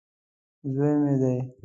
زوی مې دی.